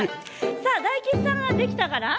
大吉さんはできたかな。